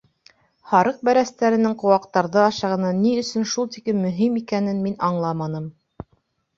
Һарыҡ бәрәстәренең ҡыуаҡтарҙы ашағаны ни өсөн шул тиклем мөһим икәнен мин аңламаным.